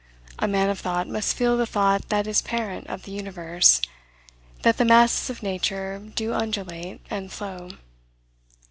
A man of thought must feel the thought that is parent of the universe, that the masses of nature do undulate and flow.